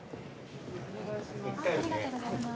お願いします。